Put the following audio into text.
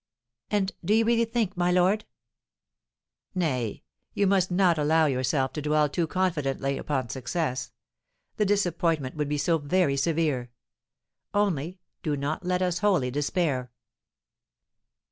"And do you really think, my lord " "Nay, you must not allow yourself to dwell too confidently upon success; the disappointment would be so very severe. Only, do not let us wholly despair."